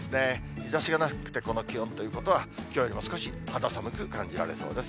日ざしがなくて、この気温ということは、きょうよりも少し肌寒く感じられそうです。